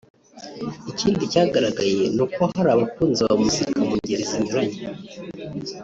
Ikindi cyagaragaye ni uko hari abakunzi ba muzika mu ngeri zinyuranye